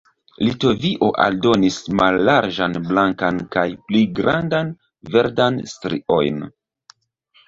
Litovio aldonis mallarĝan blankan kaj pli grandan verdan striojn.